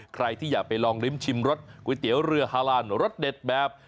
ใครที่อยากไปลองลิ้มชิมรสก๋วยเตี๋ยวเรือฮาลานรสเด็ดแบบ